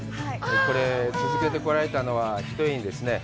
これ、続けてこられたのは、ひとえにですね